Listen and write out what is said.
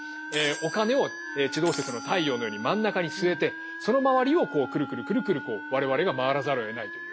お金を地動説の太陽のように真ん中に据えてその周りをこうくるくるくるくる我々が回らざるをえないというような。